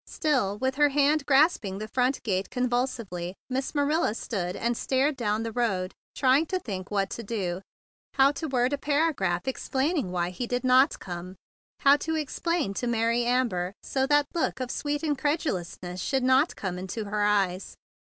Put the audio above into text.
Still, with her hand grasping the front gate convulsively, Miss Marilla stood and stared down the road, trying to think what to do, how to word a paragraph explaining why he did not come, how to explain to Mary Amber so that that look of sweet incredulousness should not come into her eyes.